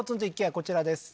こちらです